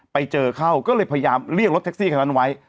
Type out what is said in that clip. ไปเจอเข้าก็เลยพยายามเรียกรถแท็กซี่คันนั้นไว้